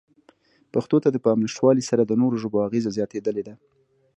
پښتو ته د پام نشتوالې سره د نورو ژبو اغېزه زیاتېدلې ده.